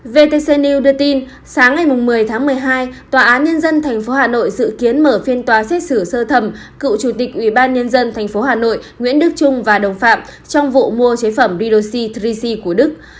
vtc news đưa tin sáng ngày một mươi tháng một mươi hai tòa án nhân dân tp hà nội dự kiến mở phiên tòa xét xử sơ thẩm cựu chủ tịch ubnd tp hà nội nguyễn đức trung và đồng phạm trong vụ mua chế phẩm redoxy drc của đức